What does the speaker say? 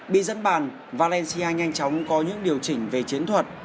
bị dẫn bàn valencia nhanh chóng có những điều chỉnh về chiến thuật